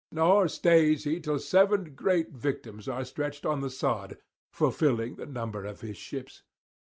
Nor stays he till seven great victims are stretched on the sod, fulfilling the number of his ships.